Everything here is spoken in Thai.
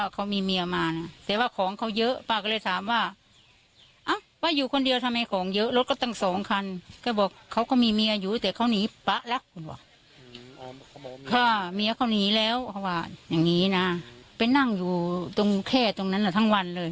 ถ้าเมียเขาหนีแล้วเขาว่าอย่างนี้นะไปนั่งอยู่ตรงแค่ตรงนั้นทั้งวันเลย